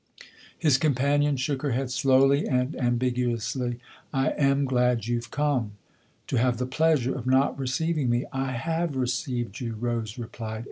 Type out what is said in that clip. His companion shook her head slowly and am biguously. " I am glad you've come." " To have the pleasure of not receiving me ?"" I have received you," Rose replied.